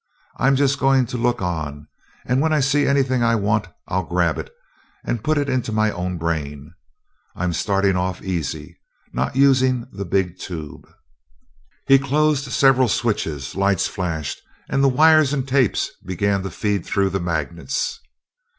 I'm just going to look on, and when I see anything I want, I'll grab it and put it into my own brain. I'm starting off easy, not using the big tube." He closed several switches, lights flashed, and the wires and tapes began to feed through the magnets.